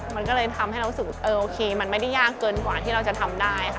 มันก็เลยทำให้เรารู้สึกโอเคมันไม่ได้ยากเกินกว่าที่เราจะทำได้ค่ะ